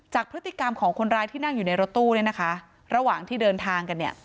พฤติกรรมของคนร้ายที่นั่งอยู่ในรถตู้เนี่ยนะคะระหว่างที่เดินทางกันเนี่ย